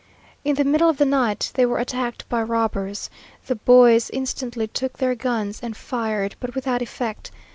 In the middle of the night they were attacked by robbers. The boys instantly took their guns, and fired, but without effect.